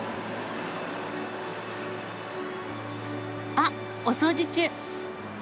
あっお掃除中。